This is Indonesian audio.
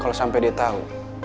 kalo sampe dia tau